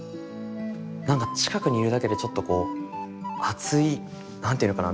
なんか近くにいるだけでちょっとこう熱い何ていうのかな